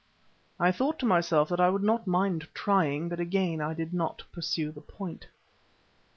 I thought to myself that I would not mind trying, but again I did not pursue the point.